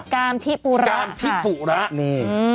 กามที่ปูระค่ะกามที่ปูระนี่อืม